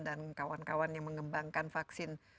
dan kawan kawan yang mengembangkan vaksin